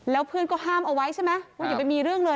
แล้วเพื่อนก็ห้ามเอาไว้ใช่ไหมว่าอย่าไปมีเรื่องเลย